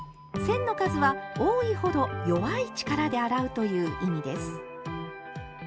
線の数は多いほど弱い力で洗うという意味です。